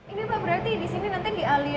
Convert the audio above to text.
ini pak berarti disini nanti dialihkan